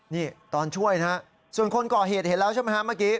นี่ตอนช่วยนะฮะส่วนคนก่อเหตุเห็นแล้วใช่ไหมฮะเมื่อกี้